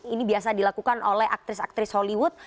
ini biasa dilakukan oleh aktris aktris hollywood